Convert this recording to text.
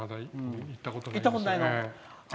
行ったことないですね。